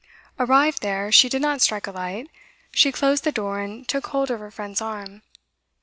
Arrived there, she did not strike a light. She closed the door, and took hold of her friend's arm.